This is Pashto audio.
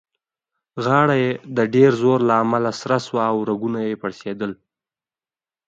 غاړه يې د ډېر زوره له امله سره شوه او رګونه يې پړسېدل.